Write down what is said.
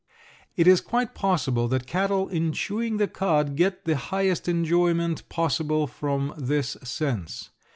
It is quite possible that cattle in chewing the cud get the highest enjoyment possible from this sense.